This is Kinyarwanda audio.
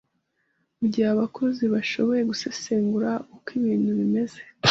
mugihe abakozi bashoboye gusesengura uko ibintu bimeze